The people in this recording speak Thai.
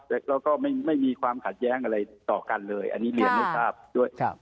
แล้วก็ไม่มีความขัดแย้งอะไรต่อกันเลยอันนี้เรียนให้ทราบด้วย